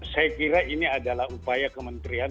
saya kira ini adalah upaya kementerian